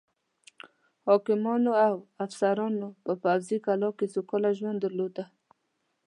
حاکمانو او افسرانو په پوځي کلاوو کې سوکاله ژوند درلوده.